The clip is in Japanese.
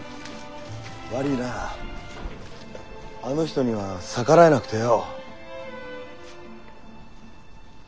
悪いなあの人には逆らえなくてよ。